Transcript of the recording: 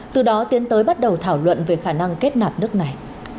từ đó tiến tới bắt đầu thảo luận về khả năng kết nạp nước này